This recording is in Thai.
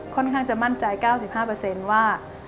ค่อนข้างจะมั่นใจ๙๕ว่า